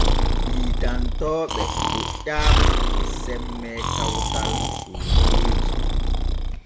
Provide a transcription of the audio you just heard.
Hiitantooɓe doƴƴaama e semme kawtal soogeeji.